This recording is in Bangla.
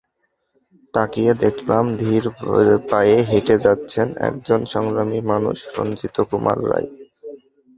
তাকিয়ে দেখলাম ধীর পায়ে হেঁটে যাচ্ছেন একজন সংগ্রামী মানুষ—রঞ্জিত কুমার রায়।